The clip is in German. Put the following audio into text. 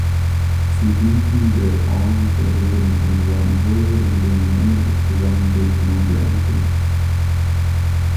Sie dienten der Ahnenverehrung und waren Häuser, in denen Männer zusammen lebten und lernten.